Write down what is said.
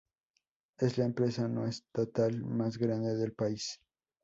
Es la empresa no estatal más grande del país.